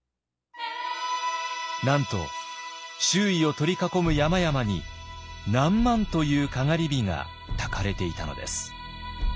なんと周囲を取り囲む山々に何万というかがり火がたかれていたのです。